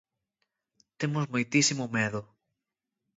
Temos moitísimo medo...